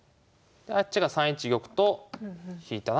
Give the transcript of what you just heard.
であっちが３一玉と引いたら。